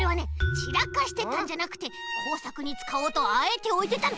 ちらかしてたんじゃなくてこうさくにつかおうとあえておいてたの。